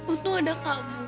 untung ada kamu